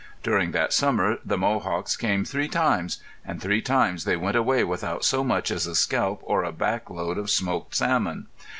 During that summer the Mohawks came three times, and three times they went away without so much as a scalp or a back load of smoked salmon.